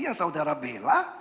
yang saudara bela